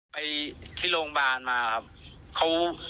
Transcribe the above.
ไปที่โรงพยาบาลมาครับ